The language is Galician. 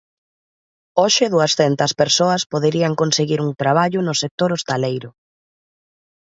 Hoxe duascentas persoas poderían conseguir un traballo no sector hostaleiro.